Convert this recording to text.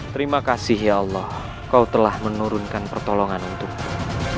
terima kasih ya allah kau telah menurunkan pertolongan untukmu